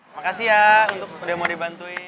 makasih ya udah mau dibantuin